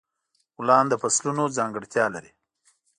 ګلان د فصلونو ځانګړتیا لري.